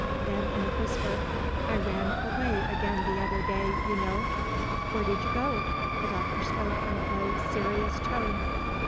Then, in a whisper, "I ran away again the other day, you know." "Where did you go?" The Doctor spoke in a low, serious tone.